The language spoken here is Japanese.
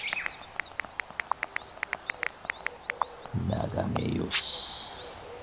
眺めよし。